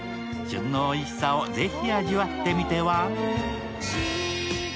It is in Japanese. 旬のおいしさをぜひ味わってみては。